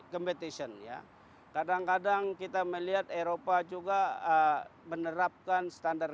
competition ya kadang kadang kita melihat eropa juga menerapkan standar